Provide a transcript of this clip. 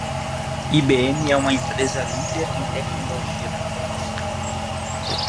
IBM é uma empresa líder em tecnologia da informação.